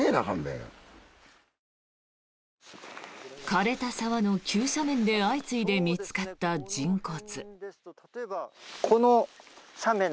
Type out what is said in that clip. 枯れた沢の急斜面で相次いで見つかった人骨。